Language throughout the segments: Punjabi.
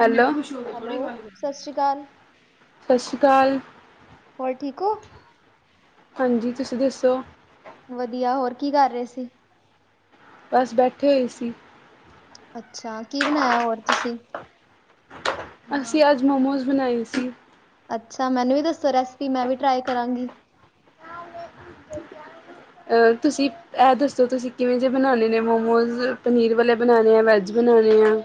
ਹੈਲੋ। ਸਤਿ ਹੈਲੋ ਸਸ ਸ਼੍ਰੀ ਕਾਲ। ਸਤਿ ਸ਼੍ਰੀ ਕਾਲ ਹੋਰ ਠੀਕ ਓ? ਹਾਂਜੀ ਤੁਸੀਂ ਦੱਸੋ ਵਧੀਆ ਹੋਰ ਕੀ ਕਰ ਰਏ ਸੀ। ਬਸ ਬੈਠੇ ਹੋਏ ਸੀ। ਅੱਛਾ, ਕੀ ਬਣਾਇਆ ਹੋਰ ਤੁਸੀਂ? ਅਸੀਂ ਅੱਜ ਮੋਮੋਜ਼ ਬਨਾਏ ਸੀ। ਅੱਛਾ! ਮੈਨੂੰ ਵੀ ਦੱਸੋ ਰੈਸਪੀ ਮੈਂ ਵੀ ਟਰਾਈ ਕਰਾਂਗੀ। [inaudible] ਅ ਤੁਸੀਂ ਇਹ ਦੱਸੋ ਤੁਸੀਂ ਕਿਵੇਂ ਜੇ ਬਣਾਉਣੇ ਨੇ ਮੋਮੋਜ਼ ਪਨੀਰ ਵਾਲੇ ਬਣਾਨੇ ਆ ਵੈਜ ਬਣਾਨੇ ਆ।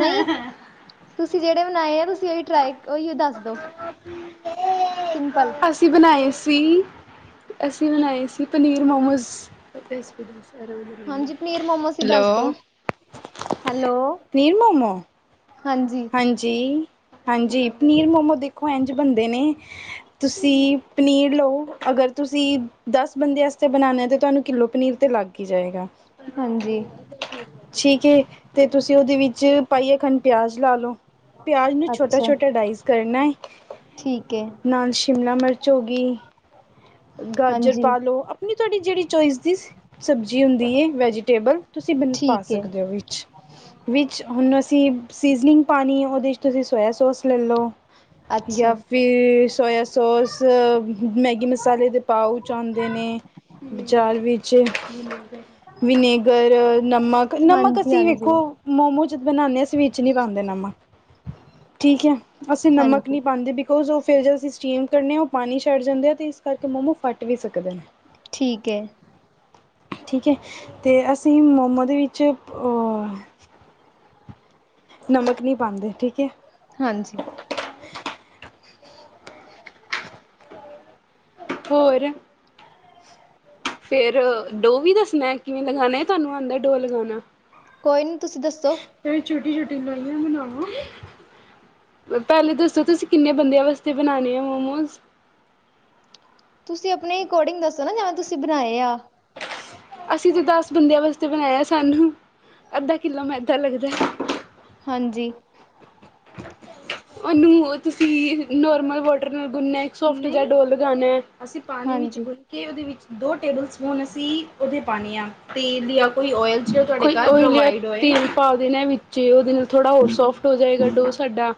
ਨਈਂ ਤੁਸੀਂ ਜੇੜੇ ਬਣਾਏ ਆ ਤੁਸੀ ਓਹੀ ਟਰਾਈ ਓਈਓ ਦੱਸ ਦੋ ਸਿੰਪਲ ਅਸੀਂ ਬਨਾਏ ਸੀ ਅਸੀਂ ਬਨਾਏ ਸੀ ਪਨੀਰ ਮੋਮੋਸ ਰੇਸਪੀ ਦਸ ਹਾਂਜੀ ਪਨੀਰ ਮੋਮੋਸ ਹੀ ਦੱਸ ਦੋ ਹੈਲੋ, ਹੈਲੋ ਪਨੀਰ ਮੋਮੋ ਹਾਂਜੀ ਜੀ, ਹਾਂਜੀ। ਪਨੀਰ ਮੋਮੋ ਦੇਖੋ ਇੰਝ ਬਨਦੇ ਨੇ ਤੁਸੀਂ ਪਨੀਰ ਲਓ ਅਗਰ ਤੁਸੀਂ ਦਸ ਬੰਦੇ ਆਸਤੇ ਬਨਾਨੇ ਤਾਂ ਤੁਹਾਨੂੰ ਕਿੱਲੋ ਪਨੀਰ ਤੇ ਲੱਗ ਕੀ ਜਾਏਗਾ। ਹਾਂਜੀ ਠੀਕ ਏ, ਤੇ ਤੁਸੀਂ ਉਹਦੇ ਵਿੱਚ ਪਾਈਯਾ ਖੰਠ ਪਿਆਜ ਲਾ ਲਓ। ਪਿਆਜ ਨੂੰ ਛੋਟਾ ਅੱਛਾ ਛੋਟਾ ਡਾਇਸ ਕਰਨਾ ਅ। ਠੀਕ ਏ। ਨਾਲ ਸ਼ਿਮਲਾ ਮਰਚ ਹੋ ਗੀ। ਗਾਜਰ ਹਾਂਜੀ ਪਾ ਲਉ, ਆਪਣੀ ਤੁਹਾਡੀ ਜੇੜੀ ਚੋਇਸ ਦੀ ਸਬਜ਼ੀ ਹੁੰਦੀ ਏ ਵੈਜੀਟੇਬਲ ਤੁਸੀਂ ਬਣ ਪਾ ਠੀਕ ਹੈ ਸਕਦੇ ਓ ਵਿੱਚ ਵਿੱਚ ਹੁਣ ਅਸੀਂ ਸੀਜ਼ਨਿੰਗ ਪਾਨੀ ਓਦੇ ਚ ਤੁਸੀਂ ਸੋਇਆ ਸੋਸ ਲੈ ਲਓ। ਅੱਛਾ ਜਾ ਫਿਰ ਸੋਇਆ ਸੋਸ ਮੈਗੀ ਮ ਸਾਲੇ ਦੇ ਪਾਊਚ ਆਦੇ ਨੇ ਬਜ਼ਾਰ ਵਿੱਚ ਵਿਨੇਗਰ, ਨਮਕ, ਨਮਕ ਹਾਂਜੀ ਅਸੀਂ ਹਾਂਜੀ ਵੇਖੋ ਮੋਮੋ ਜਦ ਬਣਾਨੇ ਆ ਅਸੀ ਵਿਚ ਨੀ ਪਾਂਦੇ ਨਮਕ, ਠੀਕ ਐ। ਅਸੀਂ ਨਮਕ ਨੀ ਹਾਂਜੀ ਪਾਂਦੇ ਬੀਕੋਜ਼ ਓ ਫੇਰ ਜੇ ਅਸੀਂ ਸਟੀਮ ਕਰਨੇ ਆ ਓ ਪਾਣੀ ਛੱਡ ਜਾਂਦੇ ਆ ਤੇ ਕਰ ਕੇ ਮੋਮੋ ਫੱਟ ਵੀ ਸਕਦੇ ਨੇ। ਠੀਕ ਐ ਠੀਕ ਐ ਤੇ ਅਸੀਂ ਮੋਮੋ ਦੇ ਵਿੱਚ ਓ ਨਮਕ ਨੀ ਪਾਂਦੇ ਠੀਕ ਐ। ਹਾਂਜੀ ਹੋਰ ਫੇਰ ਡੋ ਵੀ ਦੱਸਣਾ ਕਿਵੇਂ ਲਗਾਣਾ ਤਾਨੂੰ ਆਦਾ ਡੋ ਲਗਾਣਾ। ਕੋਈ ਨੀ ਤੁਸੀਂ ਦੱਸੋ? ਫ ਛੋਟੀ ਛੋਟੀ ਨਾਲੀਆਂ ਬਣਾਵਾਂਗੇ ਪੈਲੇ ਦੱਸੋ ਤੁਸੀਂ ਕਿੰਨੇ ਬੰਦਿਆਂ ਵਾਸਤੇ ਬਣਾਣੇ ਆ ਮੋਮੋਸ ਤੁਸੀਂ ਆਪਣੇ ਅਕੋਰਡਿੰਗ ਦੱਸੋ ਨਾ ਜਾਂ ਤੁਸੀਂ ਬਣਾਏ ਆ ਅਸੀਂ ਤਾ ਦਸ ਬੰਦਿਆਂ ਵਾਸਤੇ ਬਣਾਇਆ ਸਾਨੂੰ ਅੱਧਾ ਕਿੱਲੋ ਮੈਦਾ ਲੱਗਦਾ ਹਾਂਜੀ। ਓਨੂੰ ਤੁਸੀਂ ਨੋਰਮਲ ਵੋਟਰ ਨਾਲ ਗੁੰਨਣਾ ਇੱਕ ਸੋਫਟ ਜਿਆ ਡੋ ਲਗਾਨੈ ਅਸੀਂ ਪਾਣੀ ਵਿੱਚ ਹਾਂਜੀ, ਗੁੱਨ ਕੇ ਓਦੇ ਵਿੱਚ ਦੋ ਟੇਬਲ ਸਪੂਨ ਅਸੀਂ ਓਦੇ ਪਾਣੇ ਆ ਤੇਲ ਦੀ ਕੋਈ ਓਇਲ ਚ ਦੇਣਾ ਕੋਈ ਓਇਲ ਜ਼ਾ ਤੇਲ ਪਾ ਦੇਣਾ ਵਿਚੇ ਓਦੇ ਨਾਲ ਥੋੜਾ ਹੋਰ ਸੋਫ ਟ ਹੋ ਜਾਏਗਾ ਡੋ ਸਾਡਾ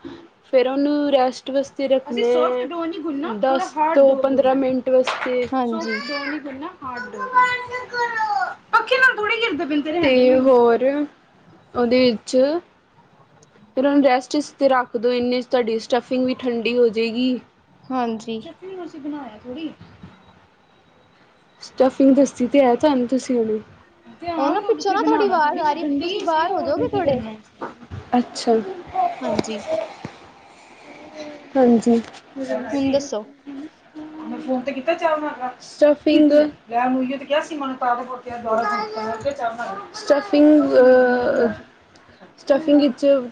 ਫੇਰ ਓਨੂੰ ਰੈਸਟ ਵਾਸਤੇ ਰੱਖਣਾ ਦਸ ਤੋਂ ਪੰਦਰਾਂ ਮਿੰ ਟ ਵਾਸਤੇ ਹਾਂਜੀ, ਸੋਫਟ ਡੋਅ ਨੀ ਗੁਨਣਾ ਹਾਰਡ ਡੋ ਗੁਣਨਾ ਪੱਖੇ, ਪੱਖੇ ਨਾਲ ਥੋੜੇ ਗਿਰਦੇ ਪਏ ਤੇਰੇ ਓਦੇ ਵਿਚ ਫੇਰ ਓਨੂੰ ਰੈਸਟ ਇਸ ਤੇ ਰੱਖ ਦੋ ਇੰਨੇ ਚ ਤੁਆਡੀ ਸਟਫਿੰਗ ਵੀ ਠੰਡੀ ਹੋ ਜੇਗੀ ਹਾਂਜੀ। ਕੀ ਅਸੀਂ ਬਣਾਇਆ ਥੋੜੀ ਸਟਫਿੰਗ ਦੱਸੀ ਤੇ ਹੈ ਤੁਆਨੂੰ ਤੁਸੀਂ ਓਨੂੰ ਤੇ ਉਹ ਹਾਂ ਨਾ ਓਨੂੰ ਪਿੱਛੋਂ ਤੁਸੀ ਨਾ ਬਣਾਨਾ ਆਵਾਜ਼ ਥੋੜੀ ਆ ਸੀ ਰਹੀ ਠੰਡੀ ਤੁਸੀਂ ਸੀ ਬਾਹਰ ਹੋ ਓਨੂੰ ਜਾਓਗੇ ਕੀ ਥੋੜੇ ਕਰਨਾ ਐ ਹਾਂਜੀ। ਹਾਂਜੀ। ਹੁਣ ਦੱਸੋ। ਮੈਂ ਫੋਨ ਤੇ ਕੀਤਾ ਚਾਅ ਬਣਾ ਕੇ ਰੱਖ ਲੈ ਮੂਲੀਆਂ ਤੇ ਕਿਆ ਸੀ [unintelligible] ਚਾਅ ਬਣਾ ਕੇ ਰੱਖ ਸਟਫਿੰਗ ਅ ਸਟਫਿੰਗ ਵਿੱਚ